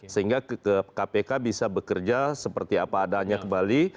sehingga kpk bisa bekerja seperti apa adanya kembali